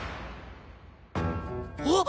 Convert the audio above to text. あっ。